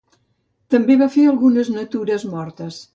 També va fer algunes natures mortes.